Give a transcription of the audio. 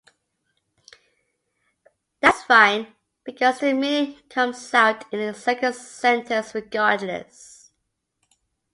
That’s fine because the meaning comes out in the second sentence regardless.